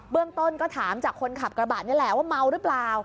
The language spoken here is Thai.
เรื่องต้นก็ถามจากคนขับกระบะนี่แหละว่าเมาหรือเปล่า